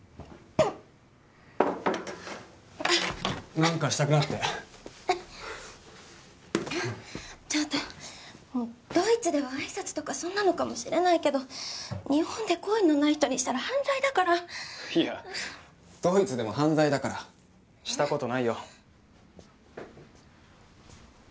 なんかしたくなってちょっとドイツではあいさつとかそんなのかもしれないけど日本で好意のない人にしたら犯罪だからいやドイツでも犯罪だからしたことないよ